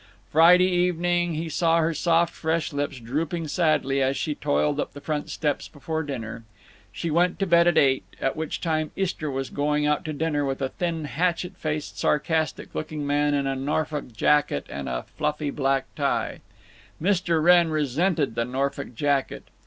Friday evening he saw her soft fresh lips drooping sadly as she toiled up the front steps before dinner. She went to bed at eight, at which time Istra was going out to dinner with a thin, hatchet faced sarcastic looking man in a Norfolk jacket and a fluffy black tie. Mr. Wrenn resented the Norfolk jacket.